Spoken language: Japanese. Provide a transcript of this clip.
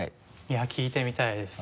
いや聴いてみたいです